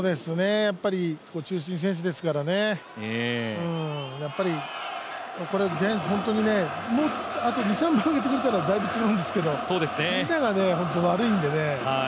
中心選手ですからね、やっぱりジャイアンツ、本当にあと２３、上げてくれたらもっといいんですけど本当に悪いんで。